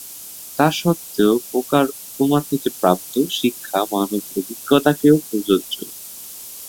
তা সত্ত্বেও,"পোকার উপমা থেকে প্রাপ্ত শিক্ষা মানব-অভিজ্ঞতাতেও প্রযোজ্য।"